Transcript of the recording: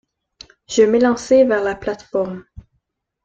Je m’élançai vers la plate-forme.